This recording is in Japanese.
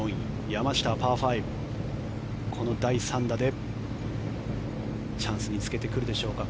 山下、パー５、この第３打でチャンスにつけてくるでしょうか